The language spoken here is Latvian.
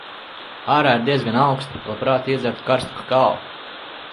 Ārā ir diezgan auksti. Labprāt iedzertu karstu kakao.